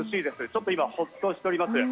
ちょっとホッとしております。